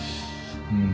うん。